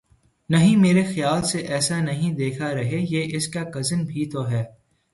نہیں میرے خیال سے ایسا نہیں دکھا رہے یہ اس کا کزن بھی تو ہے